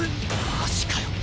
マジかよ！